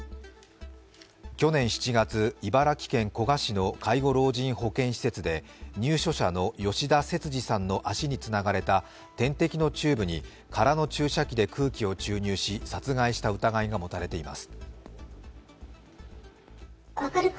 去年７月、茨城県古河市の介護老人保健施設で入所者の吉田節次さんの足につながれた点滴のチューブに空の注射器で空気を注入し、殺害した疑いが持たれています。